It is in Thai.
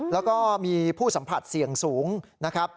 แล้วก็มีผู้สัมผัสเสี่ยงสูงนะครับ